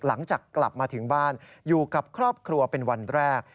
หลังจากกลับมาถึงบ้านอยู่กับครอบครัวเป็นวันแรก